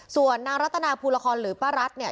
ส่วนนางรัตนาภูละครหรือป้ารัฐเนี่ย